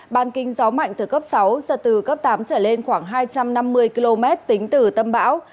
ban kinh gió mạnh từ cấp sáu giật từ cấp tám trở lên khoảng hai trăm năm mươi km tính từ tâm bão